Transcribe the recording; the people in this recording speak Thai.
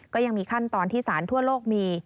ก็ยังมีขั้นตอนที่สารทั่วโลกมี